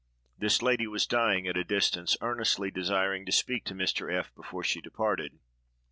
This lady was dying at a distance, earnestly desiring to speak to Mr. F—— before she departed.